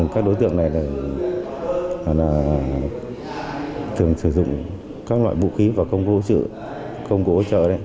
các đối tượng này thường sử dụng các loại vũ khí và công cụ hỗ trợ